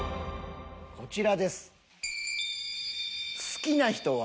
こちらです。